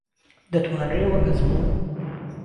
دەتوانرێ وەک ئەزموون